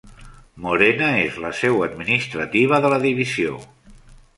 Morena és la seu administrativa de la divisió.